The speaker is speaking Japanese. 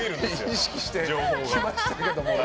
意識してきましたけどね。